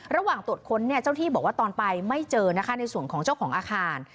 ระหว่างตรวจค้นเนี่ยเจ้าที่บอกว่าตอนไปไม่เจอนะคะในส่วนของเจ้าของอาคาร